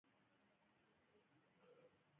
نجونې به تر هغه وخته پورې خپلې زده کړې کوي.